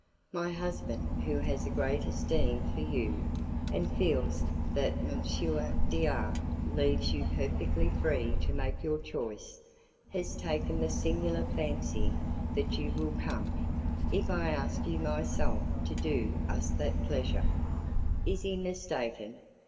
My husband, who has a great esteem for you, and feels that M. D R leaves you perfectly free to make your choice, has taken the singular fancy that you will come, if I ask you myself to do us that pleasure. Is he mistaken?